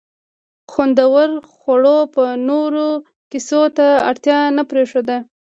خوندورو خوړو به نورو کیسو ته اړتیا نه پرېښوده.